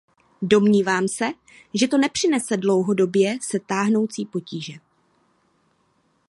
Domnívám se, že to nepřinese dlouhodobě se táhnoucí potíže.